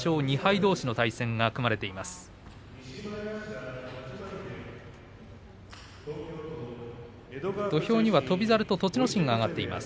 どうしの対戦が組まれています。